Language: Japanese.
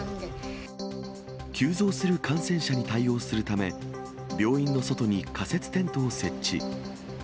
急増する感染者に対応するため、病院の外に仮設テントを設置。